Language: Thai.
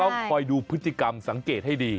ต้องคอยดูพฤติกรรมสังเกตให้ดี